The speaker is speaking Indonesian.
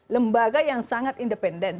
lembaga yang sangat independen